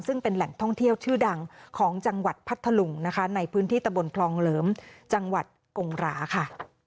ซึ่งเป็นแหล่งท่องเที่ยวชื่อดังของจังหวัดพัทธลุงนะคะในพื้นที่ตะบนคลองเหลิมจังหวัดกงหราค่ะ